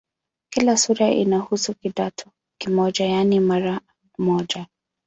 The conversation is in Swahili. Kila sura inahusu "kidato" kimoja, yaani mada moja.